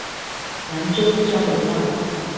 南州交流道